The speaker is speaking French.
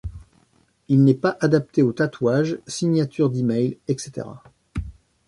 Il n'est pas adapté aux tatouages, signatures d'email, etc.